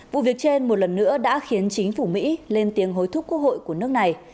vụ việc trên một lần nữa đã khiến chính phủ mỹ lên tiếng hối thúc quốc hội của nước này